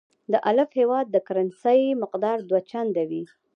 د الف هیواد د کرنسۍ مقدار دوه چنده وي.